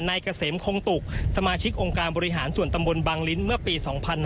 เกษมคงตุกสมาชิกองค์การบริหารส่วนตำบลบางลิ้นเมื่อปี๒๕๕๙